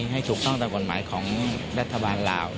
ให้ถูกต้องตามกฎหมายของรัฐบาลลาว